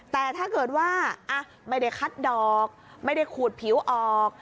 แต่ถ้าเกิดว่าไม่ได้คัดดอกไม่ได้ขูดผิวออก